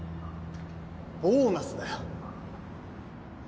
ボーナスだよ。